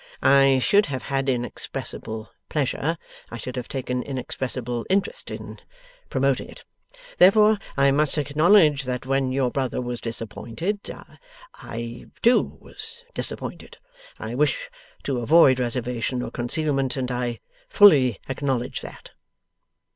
I should have had inexpressible pleasure, I should have taken inexpressible interest, in promoting it. Therefore I must acknowledge that when your brother was disappointed, I too was disappointed. I wish to avoid reservation or concealment, and I fully acknowledge that.